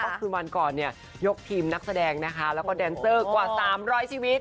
ก็คือวันก่อนเนี่ยยกทีมนักแสดงนะคะแล้วก็แดนเซอร์กว่า๓๐๐ชีวิต